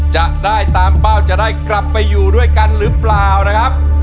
จะได้ตามเป้าจะได้กลับไปอยู่ด้วยกันหรือเปล่านะครับ